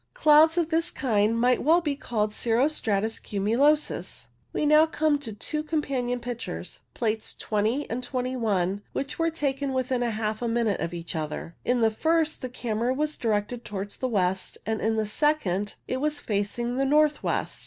Clouds of this kind might well be called cirro stratus cumulosus. We now come to two companion pictures, Plates 20 and 21, which were taken within half a minute of each other. In the first the camera was directed towards the west, and in the second it was facing the north west.